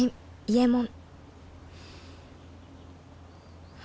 「伊右衛門」